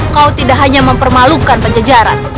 kau tidak hanya mempermalukan penjejaran